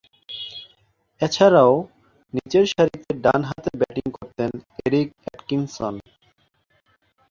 এছাড়াও, নিচেরসারিতে ডানহাতে ব্যাটিং করতেন এরিক অ্যাটকিনসন।